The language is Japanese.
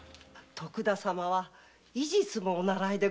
徳田様は医術もお習いで？